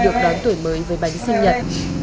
được đón tuổi mới với bánh sinh nhật